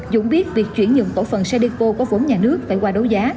dũng biết việc chuyển nhượng cổ phần sadeco có vốn nhà nước phải qua đấu giá